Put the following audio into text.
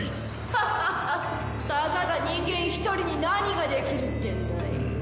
ハッハッハッたかが人間１人に何ができるってんだい？